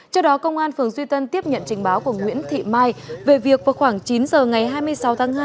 trước đó công an phường duy tân tiếp nhận trình báo của nguyễn thị mai về việc vào khoảng chín giờ ngày hai mươi sáu tháng hai